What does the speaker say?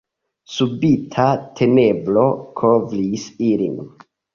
Subita tenebro kovris ilin.